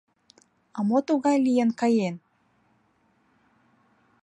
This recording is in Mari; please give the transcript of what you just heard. — А мо тугай лийын каен?